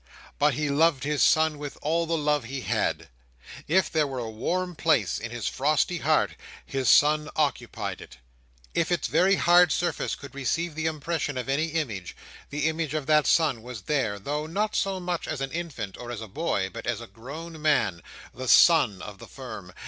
But he loved his son with all the love he had. If there were a warm place in his frosty heart, his son occupied it; if its very hard surface could receive the impression of any image, the image of that son was there; though not so much as an infant, or as a boy, but as a grown man—the "Son" of the Firm.